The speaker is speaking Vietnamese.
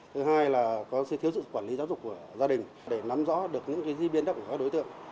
thứ hai là có sự thiếu sự quản lý giáo dục của gia đình để nắm rõ được những di biến động của các đối tượng